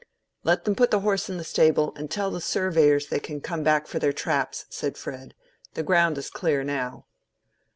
"Let them put the horse in the stable, and tell the surveyors they can come back for their traps," said Fred. "The ground is clear now."